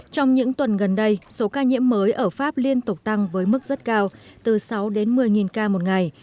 trong những tuần gần đây số ca nhiễm mới ở pháp liên tục tăng với mức rất cao từ sáu đến một mươi ca một ngày